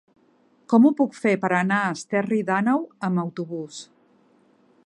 Com ho puc fer per anar a Esterri d'Àneu amb autobús?